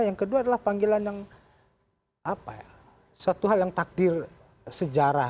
yang kedua adalah panggilan yang suatu hal yang takdir sejarah